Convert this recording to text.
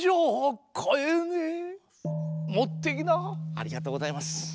ありがとうございます。